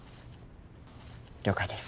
了解です。